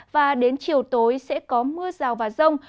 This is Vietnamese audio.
và đến chiều tối sẽ có mưa rào và rông